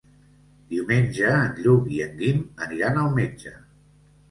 Diumenge en Lluc i en Guim aniran al metge.